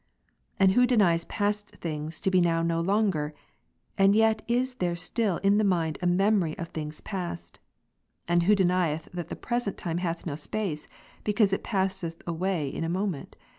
And who denies past things to be now no longei* ? and yet is there still in the mind a memory of things past. And who denieth that the present time hath no space, because it passeth away in a moment?